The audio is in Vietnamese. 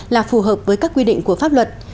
là phù hợp với các quy định của pháp luật